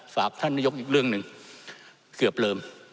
ฝากท่านนายกอีกเรื่องหนึ่งเกือบลืม